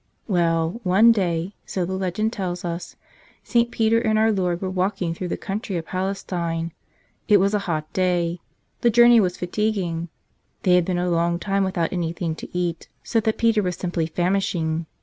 Well, one day, so the legend tells us, St. Peter and Our Lord were walking through the country of Palestine. It was a hot day. The journey was fatiguing. They had been a long time without anything to eat, so that Peter was simply famishing.